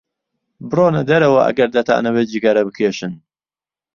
بڕۆنە دەرەوە ئەگەر دەتانەوێت جگەرە بکێشن.